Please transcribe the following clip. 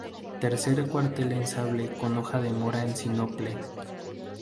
Tercer cuartel en sable con hoja de mora en sinople.